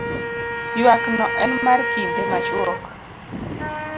ywak no en mar kinde machuok